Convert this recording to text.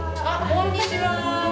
こんにちは。